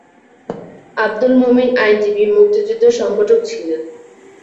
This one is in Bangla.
আবদুল মোমিন আইনজীবী, মুক্তিযুদ্ধের সংগঠক ছিলেন।